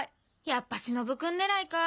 やっぱしのぶくん狙いか。